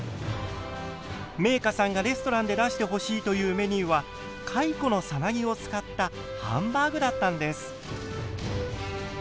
めいかさんがレストランで出してほしいというメニューはかいこのサナギを使ったハンバーグだったんです。